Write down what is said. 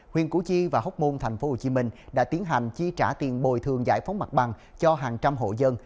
huyện củ chi và hốc môn thành phố hồ chí minh đã tiến hành chi trả tiền bồi thường giải phóng mặt bằng cho hàng trăm hộ dân